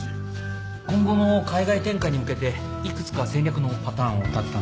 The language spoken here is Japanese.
今後の海外展開に向けて幾つか戦略のパターンを立てたんですが